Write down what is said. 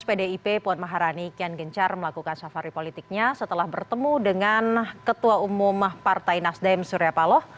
pdip puan maharani kian gencar melakukan safari politiknya setelah bertemu dengan ketua umum partai nasdem surya paloh